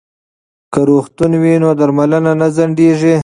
که روغتون وي نو درملنه نه ځنډیږي.